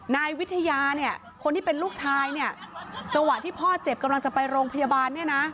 นายวิทยาคนที่เป็นลูกชายจังหวะที่พ่อเจ็บกำลังจะไปโรงพยาบาล